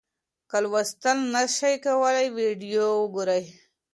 که لوستل نسئ کولای ویډیو وګورئ.